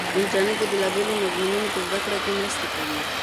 انټرنیټ د بېلابېلو مضمونو په زده کړه کې مرسته کوي.